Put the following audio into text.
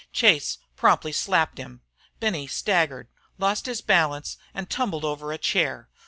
Chase promptly slapped him. Benny staggered, lost his balance, and tumbled over a chair.